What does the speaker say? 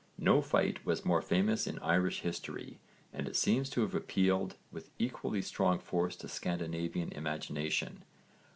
No fight was more famous in Irish history and it seems to have appealed with equally strong force to Scandinavian imagination.